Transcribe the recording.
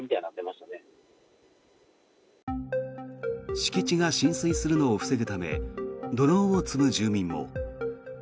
敷地が浸水するのを防ぐため土のうを積む住民も。